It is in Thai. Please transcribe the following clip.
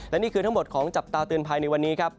และนี่คือทั้งหมดของจับตาเตือนภัยในวันนี้ครับ